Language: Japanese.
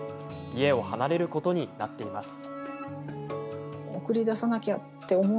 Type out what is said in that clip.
家を離れることになっています。